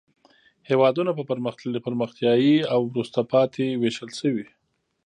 هېوادونه په پرمختللي، پرمختیایي او وروسته پاتې ویشل شوي.